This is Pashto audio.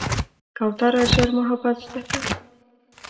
کوتره ژر محبت زده کوي.